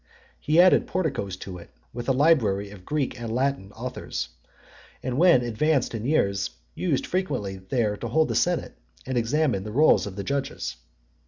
He added porticos to it, with a library of Latin and Greek authors ; and when advanced in years, (93) used frequently there to hold the senate, and examine the rolls of the judges.